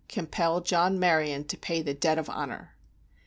Compel John Maryon to pay the debt of honor!"